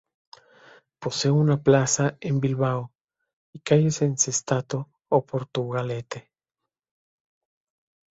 Posee una plaza en Bilbao y calles en Sestao y Portugalete.